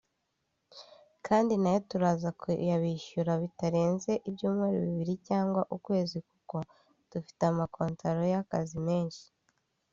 Kandi na yo turaza kuyabishyura bitarenze ibyumweru bibiri cyangwa ukwezi kuko dufite amakontaro y’akazi menshi